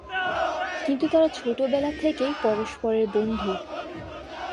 কিন্ত তারা ছোটবেলা থেকেই পরস্পরের বন্ধু।